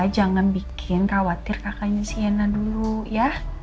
jangan bikin khawatir kakaknya siena dulu ya